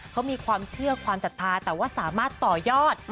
เขามีความเชื่อความศรัทธาแต่ว่าสามารถต่อยอด